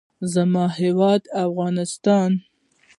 زما هېواد افغانستان.